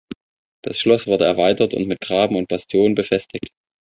Das Schloss wurde erweitert und mit Graben und Bastionen befestigt.